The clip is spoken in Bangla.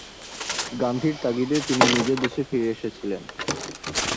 গান্ধীর তাগিদে তিনি নিজের দেশে ফিরে এসেছিলেন।